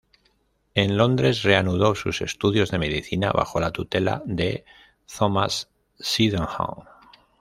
En Londres, reanudó sus estudios de medicina bajo la tutela de Thomas Sydenham.